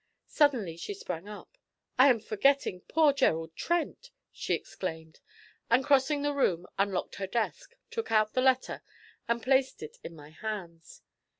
Suddenly she sprang up. 'I am forgetting poor Gerald Trent!' she exclaimed, and crossing the room, unlocked her desk, took out the letter, and placed it in my hands.